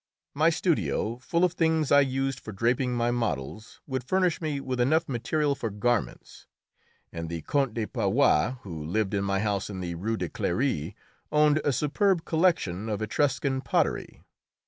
My studio, full of things I used for draping my models, would furnish me with enough material for garments, and the Count de Parois, who lived in my house in the Rue de Cléry, owned a superb collection of Etruscan pottery.